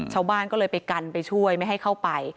ชาวบ้านก็เลยไปกันไปช่วยไม่ให้เข้าไป